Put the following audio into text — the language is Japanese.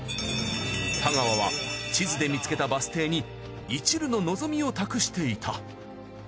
太川は地図で見つけたバス停にいちるの望みを託していた。